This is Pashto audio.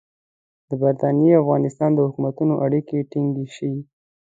د برټانیې او افغانستان د حکومتونو اړیکې ټینګې شي.